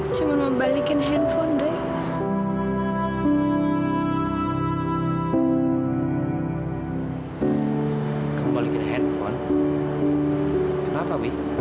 sampai jumpa di video selanjutnya